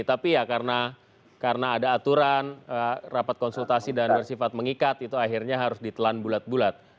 tapi ya karena ada aturan rapat konsultasi dan bersifat mengikat itu akhirnya harus ditelan bulat bulat